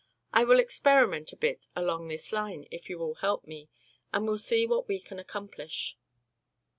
I will experiment a bit along this line, if you will help me, and we'll see what we can accomplish."